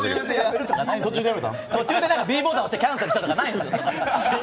途中でＢボタン押してキャンセルしたとかないんですよ！